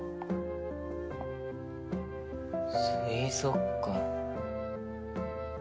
水族館？